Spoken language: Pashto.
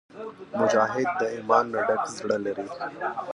مجاهد د ایمان نه ډک زړه لري.